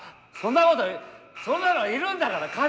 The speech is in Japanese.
そんなことそんなのがいるんだから。